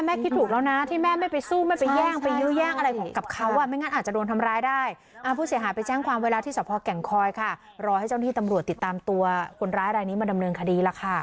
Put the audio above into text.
แล้วมันไม่มีเงินตังกันใช้มันพนักได้โทรศัพท์ให้ให้